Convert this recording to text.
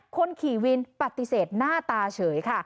คนขี่วินปฏิเสธหน้าตาเฉยค่ะ